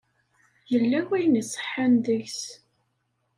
Yella wayen iṣeḥḥan deg-s..